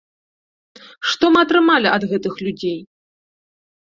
Што мы атрымалі ад гэтых людзей?